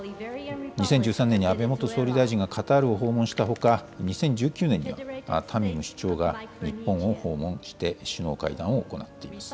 ２０１３年に安倍元総理大臣がカタールを訪問したほか、２０１９年にタミム首相が日本を訪問して、首脳会談を行っています。